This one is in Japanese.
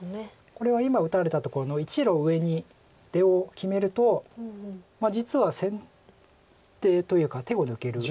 これは今打たれたところの１路上に出を決めると実は先手というか手を抜ける。